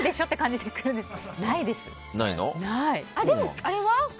でも、あれは？